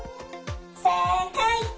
せいかい！